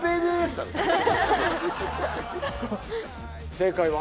正解は？